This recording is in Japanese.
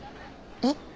えっ？